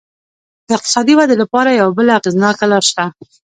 د اقتصادي ودې لپاره یوه بله اغېزناکه لار شته.